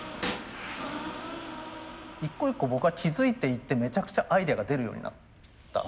一個一個僕が気付いていってめちゃくちゃアイデアが出るようになった。